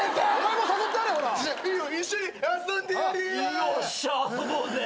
よっしゃ遊ぼうぜ。